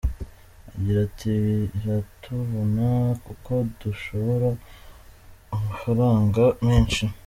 Agira ati “Biratuvuna kuko dushora amafaranga menshi.